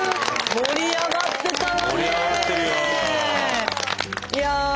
盛り上がってるよ。